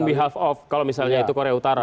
behalf of kalau misalnya itu korea utara